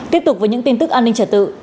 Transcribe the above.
tiếp tục với những tin tức an ninh trả tự